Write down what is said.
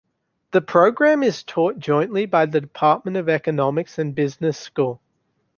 This programme is taught jointly by the Department of Economics and the Business School.